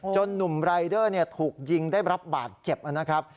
หนุ่มรายเดอร์ถูกยิงได้รับบาดเจ็บนะครับ